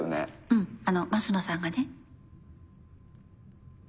うんあの升野さんがね。